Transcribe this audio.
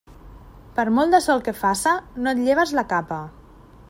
Per molt de sol que faça, no et lleves la capa.